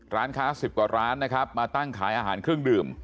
ร้านค้า๑๐กว่าร้านนะครับมาตั้งขายอาหารเครื่องดื่ม